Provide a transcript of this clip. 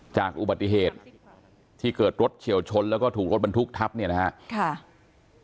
จากอุบัติเหตุที่เกิดรถเฉียวชนแล้วก็ถูกรถบรรทุกทับเนี่ยนะครับ